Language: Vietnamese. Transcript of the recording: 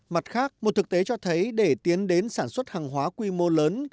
mặt khác một thực tế cho thấy để tiến đến sản xuất hàng hóa quy mô lớn